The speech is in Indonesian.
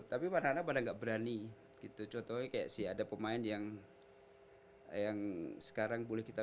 tapi warna pada nggak berani gitu contohnya kayak sih ada pemain yang yang sekarang boleh kita